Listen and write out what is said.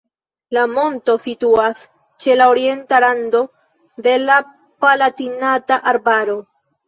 La monto situas ĉe la orienta rando de la Palatinata Arbaro.